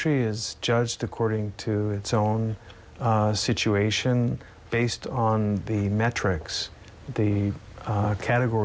หรือความที่ก่อให้เนียนตื่นเชิมแบบประกาศ